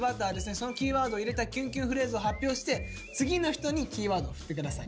そのキーワードを入れたキュンキュンフレーズを発表して次の人にキーワードを振って下さい。